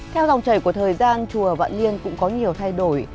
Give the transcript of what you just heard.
theo dòng chảy của thời gian chùa vạn liên cũng có nhiều thay đổi